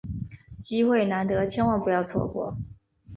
机会难得，千万不要错过！